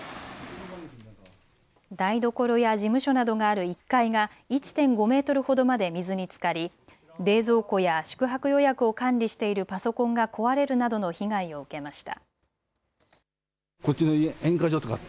台所や事務所などがある１階が１．５メートルほどまで水につかり冷蔵庫や宿泊予約を管理しているパソコンが壊れるなどの被害を受けました。